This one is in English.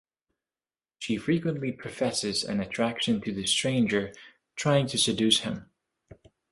She frequently professes an attraction to the Stranger, trying to seduce him.